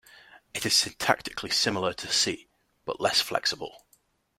It is syntactically similar to C, but less flexible.